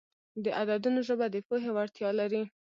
د عددونو ژبه د پوهې وړتیا لري.